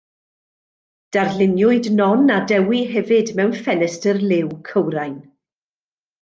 Darluniwyd Non a Dewi hefyd mewn ffenestr liw cywrain.